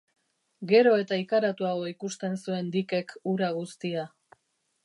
Gero eta ikaratuago ikusten zuen Dickek hura guztia.